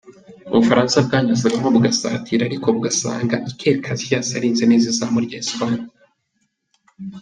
Ubufaransa bwanyuzagamo bugasatira ariko bugasanga Iker Casillas arinze neza izamu rya Espagne.